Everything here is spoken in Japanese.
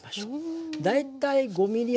大体５ｍｍ幅とか。